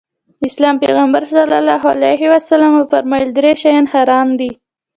د اسلام پيغمبر ص وفرمايل درې شيان حرام دي.